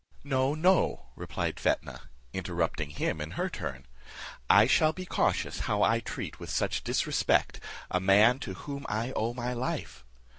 "No, no," replied Fetnah, interrupting him in her turn, "I shall be cautious how I treat with such disrespect a man to whom I owe my life.